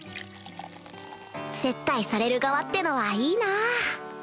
接待される側ってのはいいな